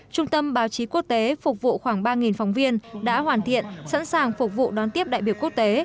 trung tâm báo chí quốc tế phục vụ khoảng ba phóng viên đã hoàn thiện sẵn sàng phục vụ đón tiếp đại biểu quốc tế